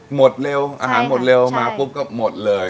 หมดเร็วอาหารหมดเร็วมาปุ๊บก็หมดเลย